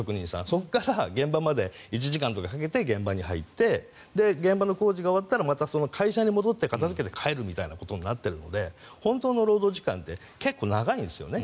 そこから現場まで１時間とかかけて現場に入って現場の工事が終わったらまた会社に戻って片付けて帰るということになっているので本当の労働時間って結構長いんですよね。